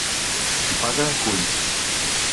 Qui paga, cull.